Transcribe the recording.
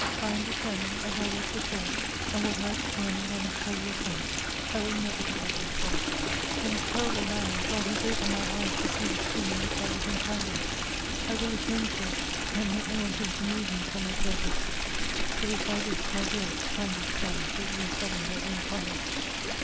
"I am determined, as I was before, and what I have determined I must tell you at once. ||C. will never be Edward's wife. In a terrible manner God has opened my eyes to see the sin in which I was entangled. I will atone for it, and let no one think to move me from my purpose. It is by this, my dearest, kindest friend, that you must govern your own conduct.